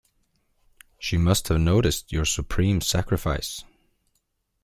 She must have noticed your supreme sacrifice.